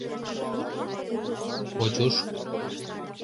Очуш.